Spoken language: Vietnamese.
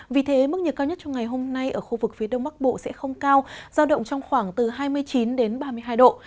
vì thế mức nhiệt cao nhất trong ngày hôm nay ở khu vực phía đông bắc bộ sẽ không cao giao động trong khoảng từ hai mươi chín đến ba mươi hai độ